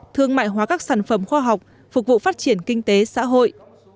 thương mại hóa các sản phẩm khoa học phục vụ phát triển kinh tế xã hội